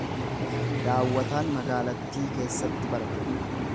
Daawwataan magaalattii keessatti barata.